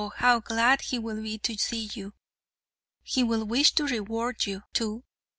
how glad he will be to see you! He will wish to reward you, too.